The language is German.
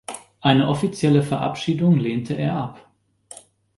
Eine offizielle Verabschiedung lehnte er ab.